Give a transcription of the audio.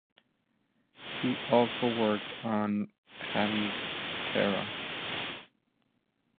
He also worked on Hemiptera.